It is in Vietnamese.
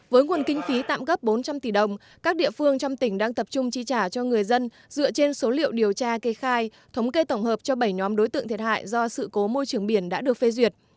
với nguồn kinh phí tạm gấp bốn trăm linh tỷ đồng các địa phương trong tỉnh đang tập trung chi trả cho người dân dựa trên số liệu điều tra kê khai thống kê tổng hợp cho bảy nhóm đối tượng thiệt hại do sự cố môi trường biển đã được phê duyệt